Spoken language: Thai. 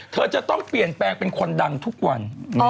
เธอจะต้องเปลี่ยนแปลงเป็นคนดังทุกวัน